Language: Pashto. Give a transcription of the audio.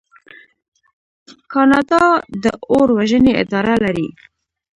کاناډا د اور وژنې اداره لري.